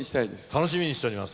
楽しみにしております。